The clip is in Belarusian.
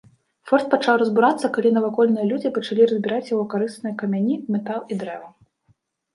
Форт пачаў разбурацца, калі навакольныя людзі пачалі разбіраць яго карысныя камяні, метал і дрэва.